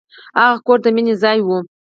هغه کور د مینې ځای و.